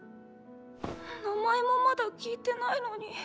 名前もまだ聞いてないのに！